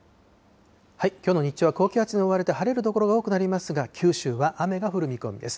きょうの日中は高気圧に覆われて晴れる所が多くなりますが、九州は雨が降る見込みです。